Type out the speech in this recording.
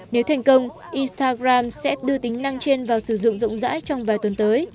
nếu thành công instagram sẽ đưa tính năng trên vào sử dụng rộng rãi trong vài tuần tới